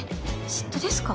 嫉妬ですか？